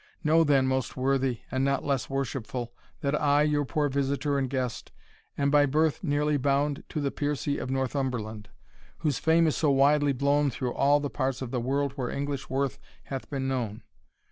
Know, then, most worthy, and not less worshipful, that I, your poor visitor and guest, am by birth nearly bound to the Piercie of Northumberland, whose fame is so widely blown through all parts of the world where English worth hath been known.